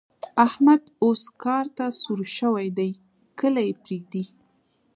احمد اوس کار ته سور شوی دی؛ کله يې پرېږدي.